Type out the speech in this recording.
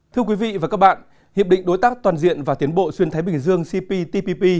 thưa quý vị và các bạn hiệp định đối tác toàn diện và tiến bộ xuyên thái bình dương cptpp